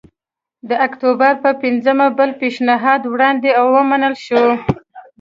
د اکتوبر په پنځمه بل پېشنهاد وړاندې او ومنل شو